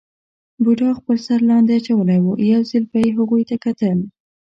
بوډا خپل سر لاندې اچولی وو، یو ځل به یې هغوی ته کتل.